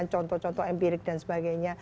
contoh contoh empirik dan sebagainya